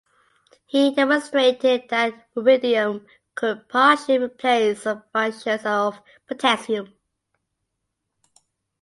He demonstrated that rubidium could partially replace some functions of potassium.